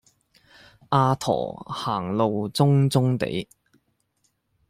阿駝行路中中地